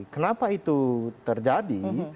kenapa itu terjadi